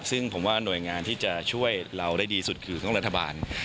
ซึ่งผมว่าหน่วยงานที่จะช่วยเราได้ดีสุดคือต้องรัฐบาล